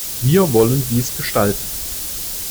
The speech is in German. Wir wollen dies gestalten.